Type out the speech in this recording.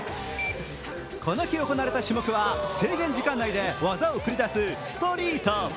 この日行われた種目は制限時間内で技を繰り出すストリート。